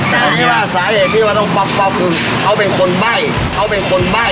แต่อันนี้ว่าสาเหตุที่ว่าต้องป๊อกคือเขาเป็นคนใบ้เขาเป็นคนใบ้